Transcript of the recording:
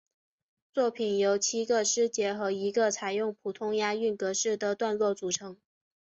作品由七个诗节和一个采用普通押韵格式的段落组成。